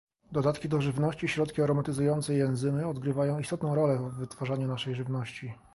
Dodatki do żywności, środki aromatyzujące i enzymy odgrywają istotną rolę w wytwarzaniu naszej żywności